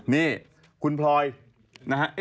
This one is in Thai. นี่คุณพลอยนะฮะ